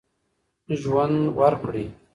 ژوند ورکړئ.